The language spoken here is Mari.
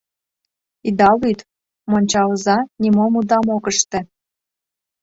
Ида лӱд, монча оза нимом удам ок ыште...